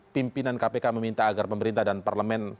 pimpinan kpk meminta agar pemerintah dan parlemen